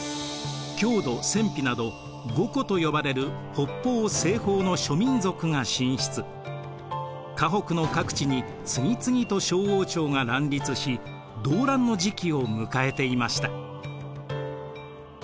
匈奴鮮卑など五胡と呼ばれる北方西方の諸民族が進出華北の各地に次々と小王朝が乱立し動乱の時期を迎えていました。